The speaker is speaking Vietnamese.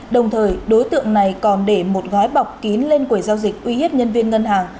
đồng thời đối tượng này còn để một gói bọc kín lên quầy giao dịch uy hiếp nhân viên ngân hàng